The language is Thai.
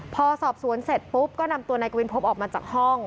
พอสอบสวนเสร็จปุ๊บก็นำตัวนายกวินพบออกมาจากห้อง